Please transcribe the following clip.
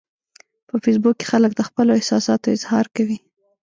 په فېسبوک کې خلک د خپلو احساساتو اظهار کوي